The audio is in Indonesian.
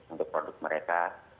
untuk produk mereka